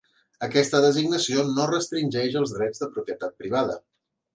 Aquesta designació no restringeix els drets de propietat privada.